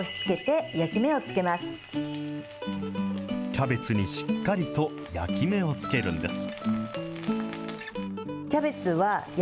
キャベツにしっかりと焼き目をつけるんです。